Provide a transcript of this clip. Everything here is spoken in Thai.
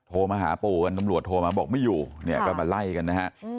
โทรมาหาปู่กันตำรวจโทรมาบอกไม่อยู่เนี่ยก็มาไล่กันนะฮะ